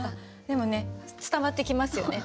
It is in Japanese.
でもね伝わってきますよね。